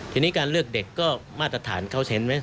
ทีนี้การเลือกเด็กก็มาตรฐานเขาเห็นไหม